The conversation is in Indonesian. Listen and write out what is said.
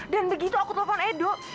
dan begitu aku telepon edo